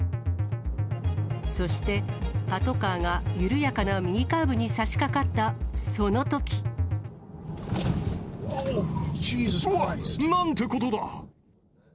そしてパトカーが緩やかな右カーブにさしかかったそのとき。なんてことだ。